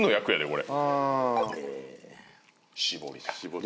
これ。